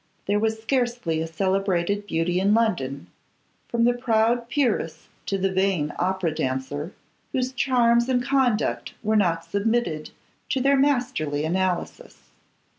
There was scarcely a celebrated beauty in London, from the proud peeress to the vain opera dancer, whose charms and conduct were not submitted to their masterly analysis.